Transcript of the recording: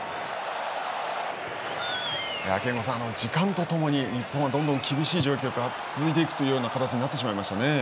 憲剛さん、時間とともに日本はどんどん厳しい状況が続いていく形になってしまいましたね。